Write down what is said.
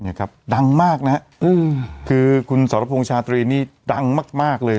ครับดังมากนะฮะอืมคือคุณสรพงษ์ชาตรีนี่ดังมากมากเลย